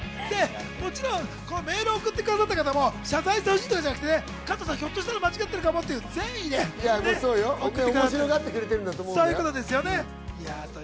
もちろんメールを送ってくださった方も謝罪してほしいとかじゃなくて、加藤さんがひょっとしたら間違っているかもという善意で送ってくださったんです。